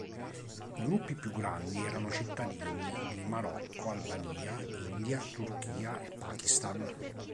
I gruppi più grandi erano cittadini di Marocco, Albania, India, Turchia e Pakistan.